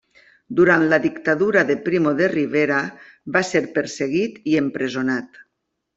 Durant la dictadura de Primo de Rivera va ser perseguit i empresonat.